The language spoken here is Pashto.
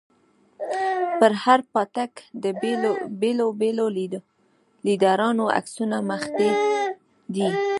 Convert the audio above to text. پر هر پاټک د بېلو بېلو ليډرانو عکسونه مښتي دي.